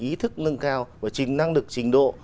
ý thức nâng cao và năng lực trình độ